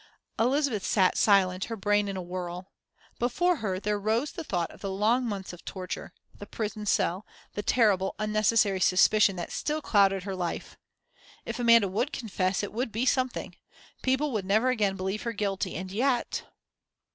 Elizabeth sat silent, her brain in a whirl. Before her there rose the thought of the long months of torture, the prison cell, the terrible, unnecessary suspicion that still clouded her life.... If Amanda would confess, it would be something. People would never again believe her guilty. And yet!